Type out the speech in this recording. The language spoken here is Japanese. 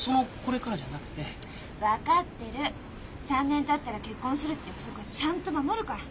３年たったら結婚するって約束はちゃんと守るから。